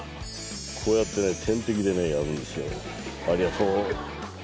こうやってね点滴でねやるんですよ。